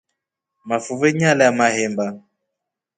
Mafuve nyalya mahemba.